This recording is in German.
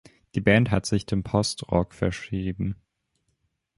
Die Band hat sich dem Post-Rock verschrieben.